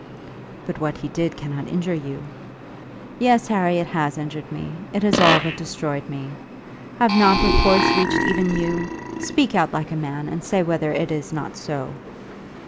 "But what he did cannot injure you." "Yes, Harry, it has injured me; it has all but destroyed me. Have not reports reached even you? Speak out like a man, and say whether it is not so?"